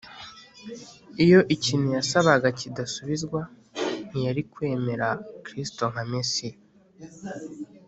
. Iyo ikintu yasabaga kidasubizwa, ntiyari kwemera Kristo nka Mesiya